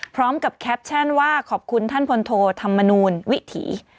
พร้อมกับแคปชั่นว่าขอบคุณท่านพลโทธรรมนูลวิถี